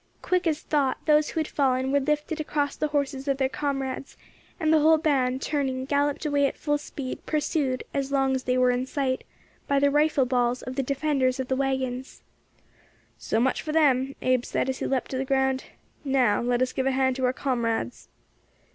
Quick as thought, those who had fallen were lifted across the horses of their comrades, and the whole band, turning, galloped away at full speed, pursued, as long as they were in sight, by the rifle balls of the defenders of the waggons. "So much for them," Abe said, as he leapt to the ground. "Now let us give a hand to our comrades."